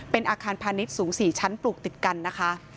เป็นอาคารพาณิชย์สูง๔ชั้นปลูกติดกันนะคะ